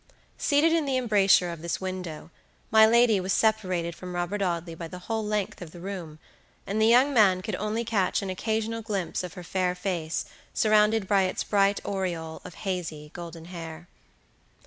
Seated in the embrasure of this window, my lady was separated from Robert Audley by the whole length of the room, and the young man could only catch an occasional glimpse of her fair face, surrounded by its bright aureole of hazy, golden hair.